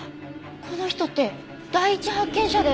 この人って第一発見者で。